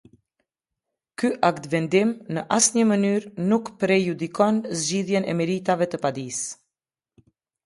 Ky Aktvendim në asnjë mënyrë nuk prejudikon zgjidhjen e meritave të padisë.